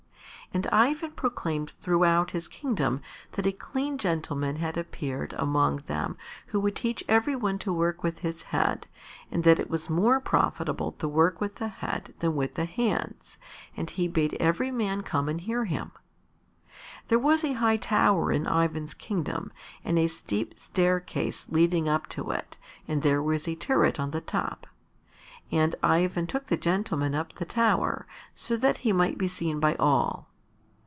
And Ivan proclaimed throughout his kingdom that a clean gentleman had appeared among them who would teach every one to work with his head and that it was more profitable to work with the head than with the hands, and he bade every man come and hear him. There was a high tower in Ivan's kingdom and a steep staircase leading up to it and there was a turret on the top. And Ivan took the gentleman up the tower, so that he might be seen by all.